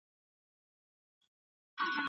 هره پېغله هره ښکلې د مُلا د سترګو خارکې